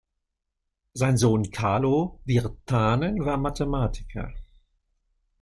Sein Sohn Kaarlo Virtanen war Mathematiker.